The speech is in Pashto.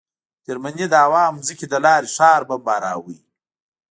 جرمني د هوا او ځمکې له لارې ښار بمباراوه